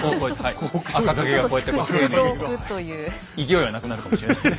勢いはなくなるかもしれない。